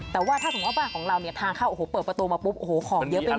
แต่ว่าถ้าสมมุติว่าบ้านของเราเนี่ยทางเข้าโอ้โหเปิดประตูมาปุ๊บโอ้โหของเยอะไปหมด